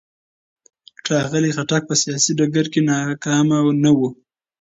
ښاغلي خټک په سیاسي ډګر کې ناکامه نه و.